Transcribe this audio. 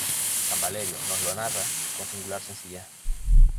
San Valerio nos los narra con singular sencillez.